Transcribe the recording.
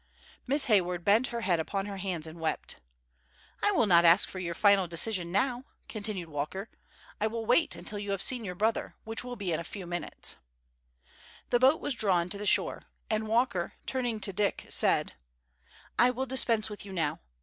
Miss Hayward bent her head upon her hands and wept. "I will not ask for your final decision now!" continued Walker. "I will wait until you have seen your brother, which will be in a few moments." The boat was drawn to the shore, and Walker, turning to Dick, said: "I will dispense with you now.